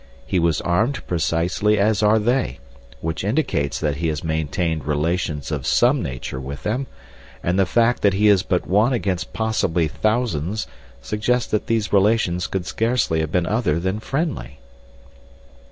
He was armed precisely as are they, which indicates that he has maintained relations of some nature with them, and the fact that he is but one against possibly thousands suggests that these relations could scarcely have been other than friendly."